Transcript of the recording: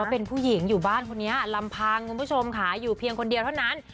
เป็นผู้หญิงอยู่บ้านคนนี้ลำพังคุณผู้ชมค่ะอยู่เพียงคนเดียวเท่านั้น